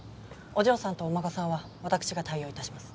お嬢さんとお孫さんは私が対応致します。